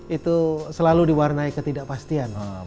itu selalu diwarnai ketidakpastian